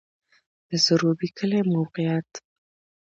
د سروبی کلی موقعیت